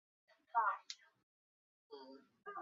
中华民国国父孙中山先生长兄孙眉的曾孙。